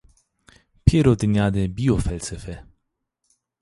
Pêro dinya de bîyo felsefe